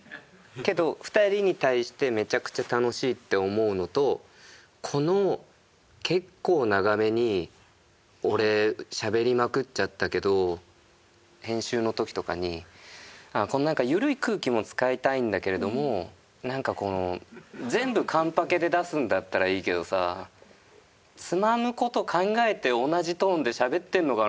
けど２人に対してめちゃくちゃ楽しいって思うのとこの結構長めに俺しゃべりまくっちゃったけど編集の時とかにこのなんか緩い空気も使いたいんだけれどもなんかこの全部完パケで出すんだったらいいけどさつまむ事考えて同じトーンでしゃべってんのかな